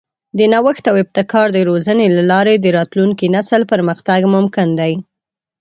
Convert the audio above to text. د نوښت او ابتکار د روزنې له لارې د راتلونکي نسل پرمختګ ممکن دی.